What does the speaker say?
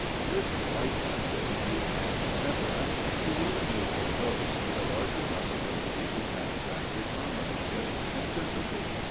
This licence, if he be a man of sentiment, he willingly foregoes for the larger possibilities of satisfactory comradeship and sympathy.